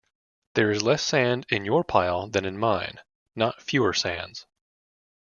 There is less sand in your pile than in mine, not fewer sands.